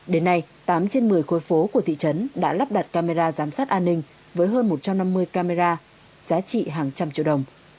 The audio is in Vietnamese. đến nay tám trên một mươi khối phố của thị trấn đã lắp đặt camera giám sát an ninh với hơn một trăm năm mươi camera giá trị hàng trăm triệu đồng